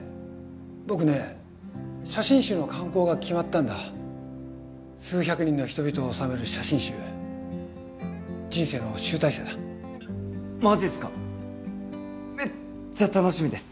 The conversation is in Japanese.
僕ね写真集の刊行が決まったんだ数百人の人々を収める写真集人生の集大成だマジっすかめっちゃ楽しみです！